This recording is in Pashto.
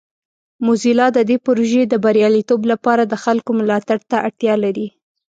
موزیلا د دې پروژې د بریالیتوب لپاره د خلکو ملاتړ ته اړتیا لري.